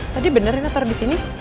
tadi bener rena taruh di sini